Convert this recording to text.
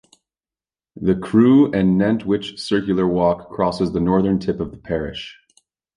The Crewe and Nantwich Circular Walk crosses the northern tip of the parish.